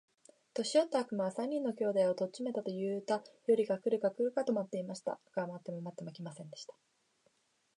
年よった悪魔は、三人の兄弟を取っちめたと言うたよりが来るか来るかと待っていました。が待っても待っても来ませんでした。